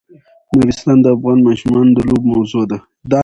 نورستان د افغان ماشومانو د لوبو موضوع ده.